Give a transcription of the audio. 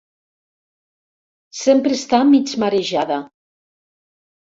Sempre està mig marejada.